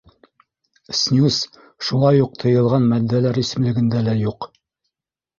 Снюс шулай уҡ тыйылған матдәләр исемлегендә лә юҡ.